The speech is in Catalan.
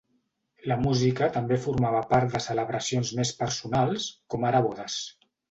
La música també formava part de celebracions més personals, com ara bodes.